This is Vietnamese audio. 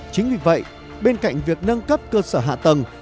chính vì vậy bên cạnh việc nâng cấp cơ sở hạ tầng